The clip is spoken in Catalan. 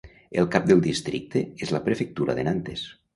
El cap del districte és la prefectura de Nantes.